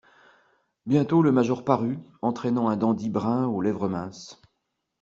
Bientôt le major parut, entraînant un dandy brun aux lèvres minces.